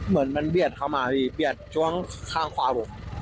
เหมือนมันเบียดเข้ามาพี่เบียดช่วงข้างขวาผม